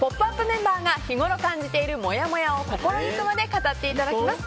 メンバーが日ごろ感じているもやもやを心行くまで語っていただきます。